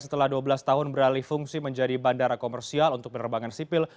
setelah dua belas tahun beralih fungsi menjadi bandara komersial untuk penerbangan sipil